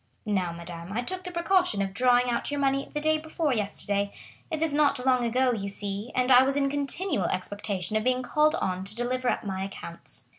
Now, madame, I took the precaution of drawing out your money the day before yesterday; it is not long ago, you see, and I was in continual expectation of being called on to deliver up my accounts.